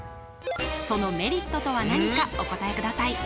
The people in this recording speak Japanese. そのメリットとは何かお答えください